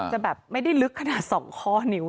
จะแบบไม่ได้ลึกขนาด๒ข้อนิ้ว